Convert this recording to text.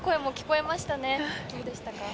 どうでしたか？